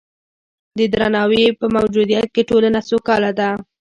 د درناوي په موجودیت کې ټولنه سوکاله ده.